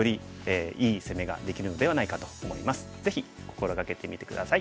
ぜひ心掛けてみて下さい。